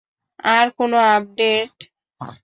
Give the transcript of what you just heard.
আর কোনো আপডেট?